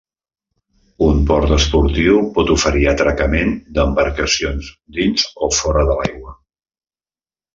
Un port esportiu pot oferir atracament d'embarcacions dins o fora de l'aigua.